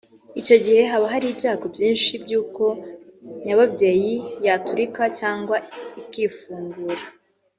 icyo gihe haba hari ibyago byinshi by’uko nyababyeyi yaturika cyangwa ikifungura